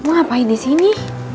kamu ngapain di sini